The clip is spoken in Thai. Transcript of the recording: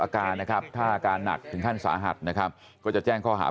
อาการนะครับถ้าอาการหนักถึงขั้นสาหัสนะครับก็จะแจ้งข้อหา